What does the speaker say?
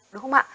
đúng không ạ